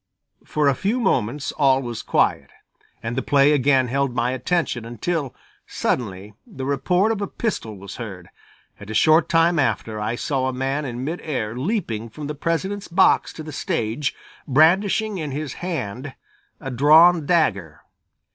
For a few moments all was quiet, and the play again held my attention until, suddenly, the report of a pistol was heard, and a short time after I saw a man in mid air leaping from the President's box to the stage, brandishing in his hand a drawn dagger.